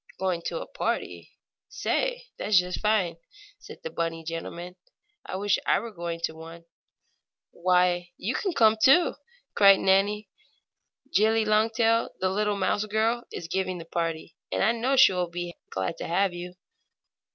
"Going to a party? Say, that's just fine!" said the bunny gentleman. "I wish I were going to one." "Why, you can come, too!" cried Nannie. "Jillie Longtail, the little mouse girl, is giving the party, and I know she will be glad to have you."